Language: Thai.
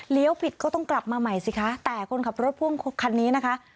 ผิดก็ต้องกลับมาใหม่สิคะแต่คนขับรถพ่วงคันนี้นะคะ